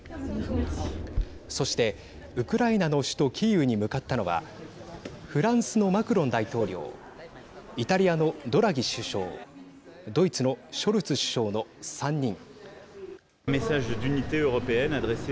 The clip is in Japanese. そして、ウクライナの首都キーウに向かったのはフランスのマクロン大統領イタリアのドラギ首相ドイツのショルツ首相の３人。